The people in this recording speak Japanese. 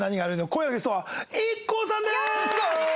今夜のゲストはＩＫＫＯさんです！